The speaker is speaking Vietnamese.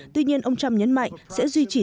tuy nhiên ông trump nhấn mạnh sẽ duy trì